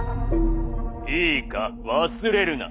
「いいか忘れるな。